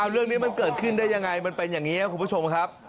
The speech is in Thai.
เรื่องนี้มันเกิดขึ้นได้ยังไงมันเป็นอย่างนี้ครับคุณผู้ชมครับ